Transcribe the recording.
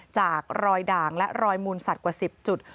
จากรอยด่างและรอยมูลสัตว์กว่า๑๐จุด